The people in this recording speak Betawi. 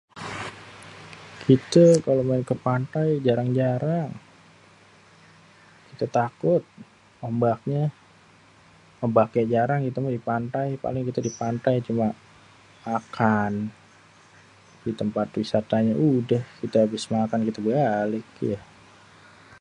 Kite kalo maen ke pantai jarang-jarang, kite takut ombaknya, ngebaknya jarang kita mah di pantai paling kita di pantai cumamakan di tempat wisatanya, udeh kita abis makan kita balik ya.